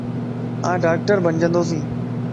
آن ڊاڪٽر بنجنڌوس